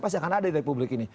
pasti akan ada di republik ini